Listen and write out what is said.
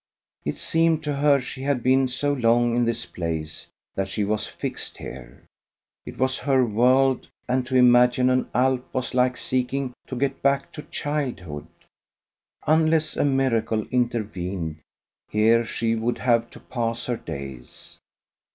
It seemed to her she had been so long in this place that she was fixed here: it was her world, and to imagine an Alp was like seeking to get back to childhood. Unless a miracle intervened here she would have to pass her days.